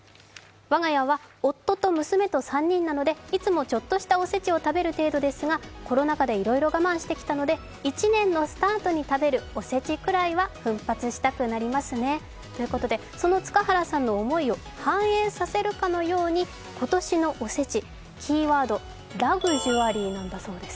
我が家は夫と娘と３人なので、いつもちょっとしたおせちを食べる程度ですがコロナ禍でいろいろ我慢してきたので１年のスタートに食べるおせちくらいは奮発したくなりますねということでその塚原さんの思いを反映させるかのように今年のおせち、キーワードはラグジュアリーなんだそうです。